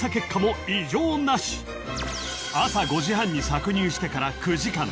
［朝５時半に搾乳してから９時間］